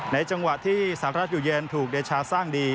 จังหวะที่สหรัฐอยู่เย็นถูกเดชาสร้างดี